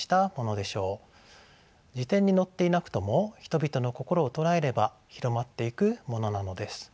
辞典に載っていなくとも人々の心を捉えれば広まっていくものなのです。